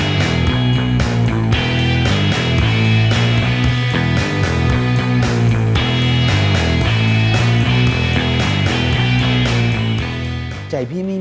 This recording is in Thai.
หวังว่าจะไม่มีคำนี้เลย